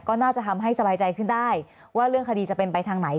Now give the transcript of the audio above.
ก็น่าจะทำให้สบายใจขึ้นได้ว่าเรื่องคดีจะเป็นไปทางไหน